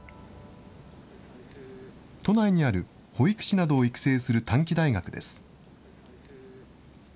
都内にある保育士などを育成する短期大学です。